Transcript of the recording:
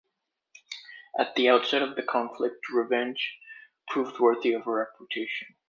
At the outset of the conflict, "Revenge" proved worthy of her reputation.